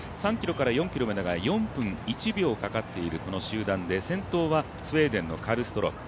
３ｋｍから４ｋｍまでが４分１秒かかっていえるこの集団で先頭はスウェーデンのカルストローム。